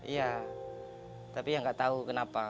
iya tapi yang nggak tahu kenapa